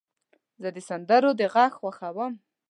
زه د سندرو د غږ خوښوم.